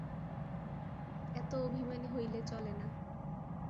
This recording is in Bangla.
এত অভিমানী হইলে চলে না।